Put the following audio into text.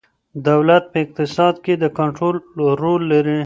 دولت په اقتصاد کې د کنترول رول لري.